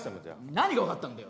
何が分かったんだよ。